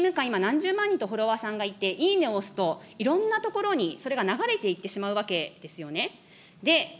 政務官、今何十万人とフォロワーさんがいて、いいねを押すと、いろんなところにそれが流れていってしまうわけですよね。